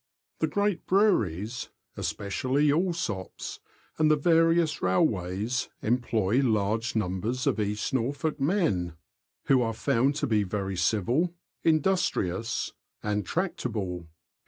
The great breweries (especially Allsopp's) and the various railways employ large numbers of East Norfolk men, who are found to be very civil, industrious, and tractable.